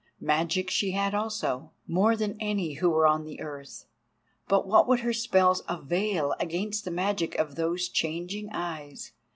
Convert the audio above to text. Magic she had also, more than any who were on the earth; but what would her spells avail against the magic of those changing eyes?